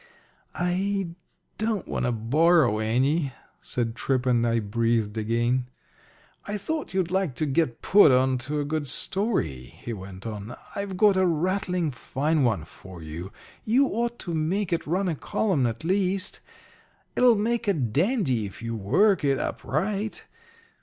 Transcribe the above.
"I don't want to borrow any," said Tripp, and I breathed again. "I thought you'd like to get put onto a good story," he went on. "I've got a rattling fine one for you. You ought to make it run a column at least. It'll make a dandy if you work it up right.